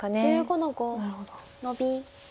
なるほど。